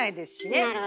なるほど。